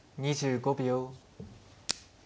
２５秒。